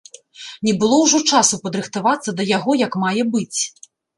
Не было ўжо часу падрыхтавацца да яго як мае быць.